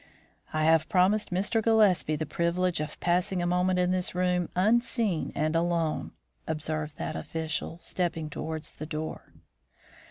"I have promised Mr. Gillespie the privilege of passing a moment in this room unseen and alone," observed that official, stepping towards the door.